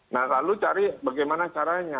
nah lalu cari bagaimana caranya